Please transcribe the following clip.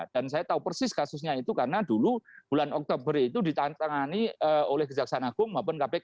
dan saya tahu persis kasusnya itu karena dulu bulan oktober itu ditangani oleh gejaksana gung maupun kpk